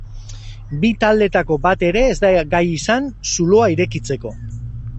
Bi taldeetako bat ere ez da gai izan zuloa irekitzeko.